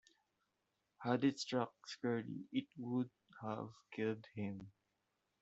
Had it struck squarely it would have killed him.